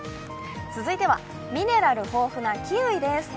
続いては、ミネラル豊富なキウイです。